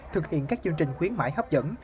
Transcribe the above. thực hiện các chương trình khuyến mãi hấp dẫn